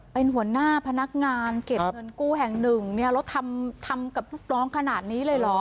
เป็นหัวหน้าพนักงานเก็บเงินกู้แห่งหนึ่งเนี่ยแล้วทำทำกับลูกน้องขนาดนี้เลยเหรอ